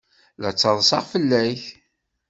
La ttaḍsaɣ fell-ak.